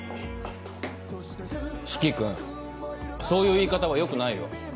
四鬼君そういう言い方はよくないよ。